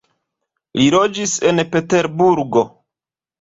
Li loĝis en Peterburgo.